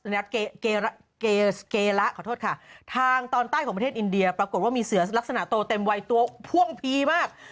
และเกละขอโทษค่ะทางตอนใต้ของประเทศอินเดียปรากฏว่ามีเสือลักษณะโตเต็มวัยตัวพ่วงพีมาก